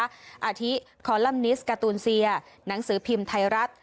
อาทิคอลัมนิสการ์ตูนเซียหนังสือพิมพ์ไทยรัฐ